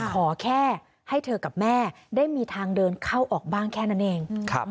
ขอแค่ให้เธอกับแม่ได้มีทางเดินเข้าออกบ้างแค่นั้นเอง